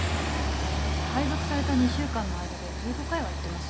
私配属された２週間の間で１５回は行ってますよ。